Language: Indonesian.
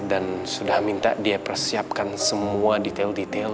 dan sudah minta dia persiapkan semua detail detail